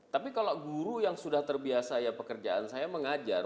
tapi kalau guru yang sudah terbiasa ya pekerjaan saya mengajar